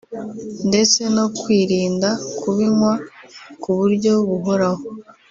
ndetse no kwirinda kubinywa ku buryo buhoraho